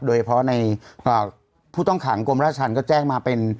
โดยเฉพาะในผู้ต้องขังกรมราชธรรมก็แจ้งมาเป็น